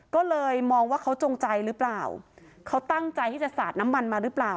ก็เลยมองว่าเขาจงใจหรือเปล่าเขาตั้งใจที่จะสาดน้ำมันมาหรือเปล่า